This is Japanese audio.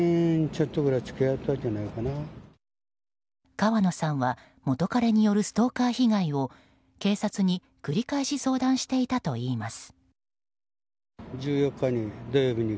川野さんは元彼によるストーカー被害を警察に繰り返し相談していたといいます。